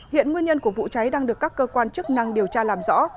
hiện nguyên nhân của vụ cháy đang được các cơ quan chức năng điều tra làm rõ